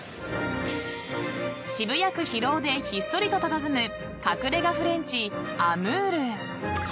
［渋谷区広尾でひっそりとたたずむ隠れ家フレンチＡＭＯＵＲ］